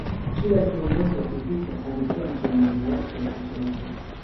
Kila kiongozi wa kivita alikuwa na kiongozi wake wa kiroho